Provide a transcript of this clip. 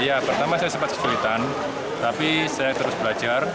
ya pertama saya sempat kesulitan tapi saya terus belajar